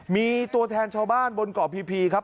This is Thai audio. มีตัวแทนชาวบ้านบนเกาะพีครับ